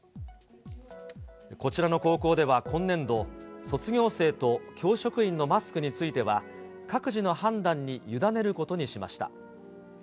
こちらの高校では今年度、卒業生と教職員のマスクについては、各自の判断に委ねることにしました。